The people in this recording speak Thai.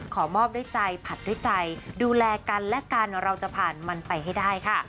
ขอมอบด้วยใจผัดด้วยใจดูแลกันและกันเราจะผ่านมันไปให้ได้ค่ะ